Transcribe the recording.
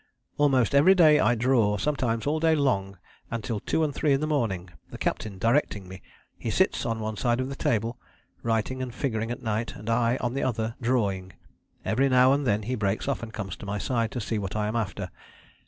"Almost every day I draw, sometimes all day long and till two and three in the morning, the Captain directing me; he sits on one side of the table, writing and figuring at night, and I on the other, drawing. Every now and then he breaks off and comes to my side, to see what I am after